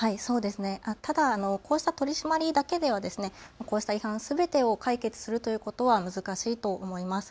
ただこうした取締りだけではこうした違反すべてを解決するということは難しいと思います。